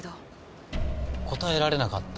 応えられなかった？